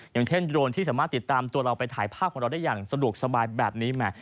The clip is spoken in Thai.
อย่างเช่นโดรนที่สามารถติดตามตัวเราไปถ่ายภาพของเราได้อย่างสะดวกสบายแบบนี้แหม